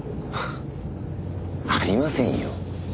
ありませんよ。